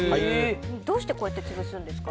どうしてこうやって潰すんですか。